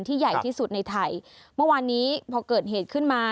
ใหญ่ที่สุดในไทยเมื่อวานนี้พอเกิดเหตุขึ้นมา